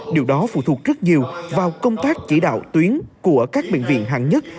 điều đó phụ thuộc rất nhiều vào công tác chỉ đạo tuyến của các bệnh viện hạng nhất